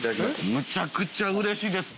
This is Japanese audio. むちゃくちゃうれしいです。